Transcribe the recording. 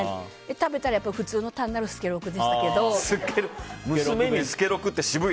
食べたら普通の単なる助六でしたけど。